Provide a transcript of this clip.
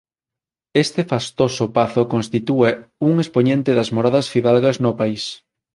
Este fastoso pazo constitúe un expoñente das moradas fidalgas no país.